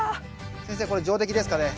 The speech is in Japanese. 先生これ上出来ですかね。